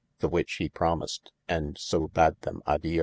The which he promised and so bad them a Dio.